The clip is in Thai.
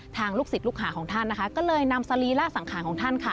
ลูกศิษย์ลูกหาของท่านนะคะก็เลยนำสรีระสังขารของท่านค่ะ